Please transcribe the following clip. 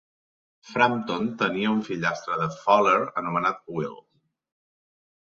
Frampton tenia un fillastre de Faller anomenat Will.